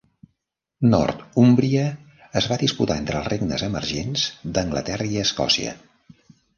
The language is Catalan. Northúmbria es va disputar entre els regnes emergents d'Anglaterra i Escòcia.